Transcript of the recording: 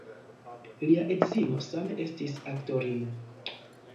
Lia edzino same estis aktorino.